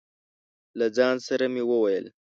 له ځانه سره مې وويل: